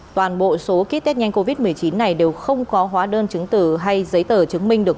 toàn bộ số kít tét nhanh covid một mươi chín này đều không có hóa đơn chứng tử hay giấy tờ chứng minh được